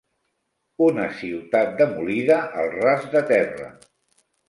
Una ciutat demolida al ras de terra.